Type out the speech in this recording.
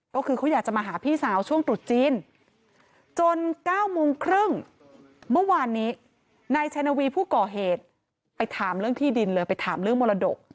ก็คือเขาอยากจะมาหาพี่สาวช่วงตรุษจีนจน๙โมงครึ่งเมื่อวานนี้นายชัยนวีผู้ก่อเหตุไปถามเรื่องที่ดินเลยไปถามเรื่องมรดก